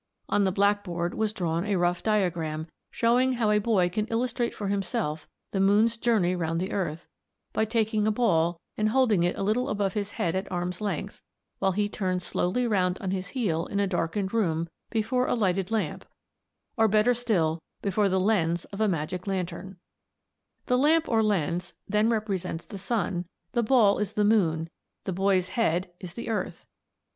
On the black board was drawn a rough diagram, showing how a boy can illustrate for himself the moon's journey round the earth, by taking a ball and holding it a little above his head at arm's length, while he turns slowly round on his heel in a darkened room before a lighted lamp, or better still before the lens of a magic lantern (Fig. 1). The lamp or lens then represents the sun, the ball is the moon, the boy's head is the earth.